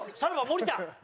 森田。